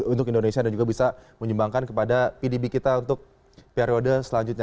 untuk indonesia dan juga bisa menyumbangkan kepada pdb kita untuk periode selanjutnya